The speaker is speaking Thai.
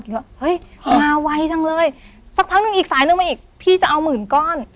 ว่าเฮ้ยมาไวจังเลยสักพักหนึ่งอีกสายนึงมาอีกพี่จะเอาหมื่นก้อน